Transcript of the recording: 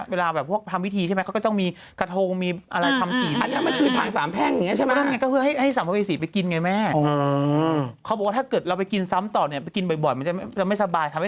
เอาเสียที่ต่างน่าเศร้ามากนะ